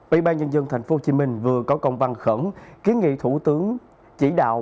ubnd tp hcm vừa có công văn khẩn kiến nghị thủ tướng chỉ đạo